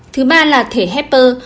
thứ ba là thể hepper